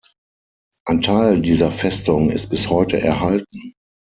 Ein Teil dieser Festung ist bis heute erhalten.